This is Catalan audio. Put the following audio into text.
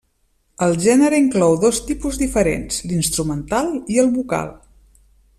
El gènere inclou dos tipus diferents: l'instrumental i el vocal.